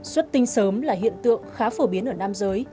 xuất tinh sớm là hiện tượng khá phổ biến ở nam giới